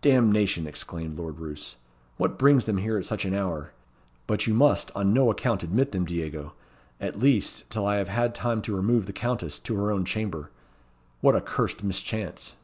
"Damnation!" exclaimed Lord Roos. "What brings them here at such an hour? But you must on no account admit them, Diego at least, till I have had time to remove the Countess to her own chamber. What a cursed mischance!"